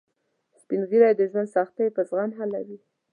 سپین ږیری د ژوند سختۍ په زغم حلوي